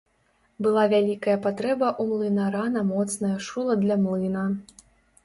Была вялікая патрэба ў млынара на моцнае шула для млына.